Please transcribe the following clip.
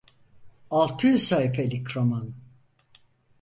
Altı yüz sahifelik roman…